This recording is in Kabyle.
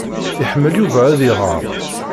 Iḥemmel Yuba ad iɣeṛ.